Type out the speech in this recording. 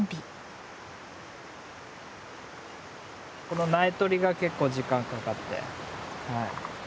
この苗とりが結構時間かかって。